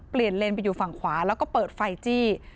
เปลี่ยนเลนส์ไปอยู่ฝั่งขวาแล้วก็เปิดไฟจี้